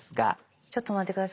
ちょっと待って下さい。